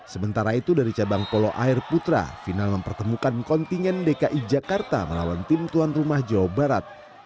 sementara itu dari cabang polo air putra final mempertemukan kontingen dki jakarta melawan tim tuan rumah jawa barat